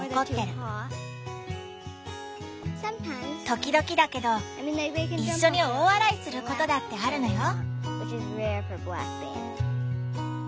時々だけどいっしょに大笑いすることだってあるのよ。